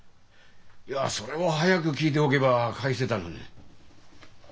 いやそれを早く聞いておけば返せたのに。